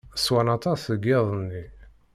Swan aṭas deg yiḍ-nni.